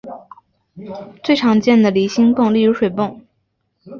最常见的离心泵例如水泵。